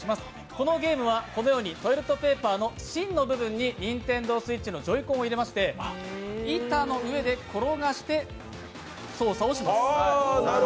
このゲームはトイレットペーパーの芯の部分にＮｉｎｔｅｎｄｏＳｗｉｔｃｈのジョイコンを入れまして板の上で転がして操作をします。